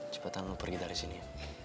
cepetan lu pergi dari sini